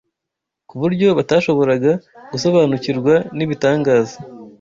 ku buryo batashoboraga gusobanukirwa n’ibitangaza